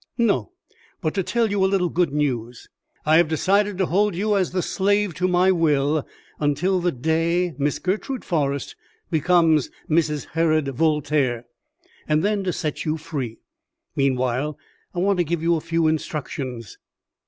"No; but to tell you a little good news. I have decided to hold you as the slave to my will until the day Miss Gertrude Forrest becomes Mrs. Herod Voltaire, and then to set you free. Meanwhile, I want to give you a few instructions."